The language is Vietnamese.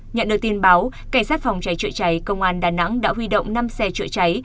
nhận được tin báo cảnh sát phòng cháy chữa cháy công an đà nẵng đã huy động năm xe chữa cháy